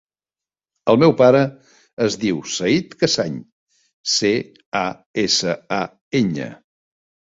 El meu pare es diu Zayd Casañ: ce, a, essa, a, enya.